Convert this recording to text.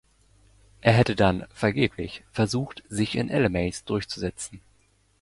Er hätte dann (vergeblich) versucht sich in Elymais durchzusetzen.